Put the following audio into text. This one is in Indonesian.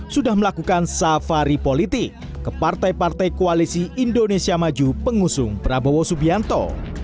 sudah melakukan safari politik ke partai partai koalisi indonesia maju pengusung prabowo subianto